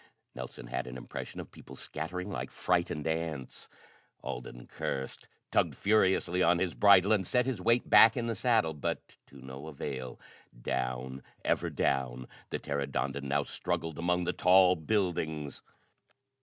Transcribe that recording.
Nelson had an impression of people scattering like frightened ants. Alden cursed, tugged furiously on the bridle, and set his weight back in the saddle, but to no avail. Down! Ever down! The pteranodon now struggled among the tall buildings.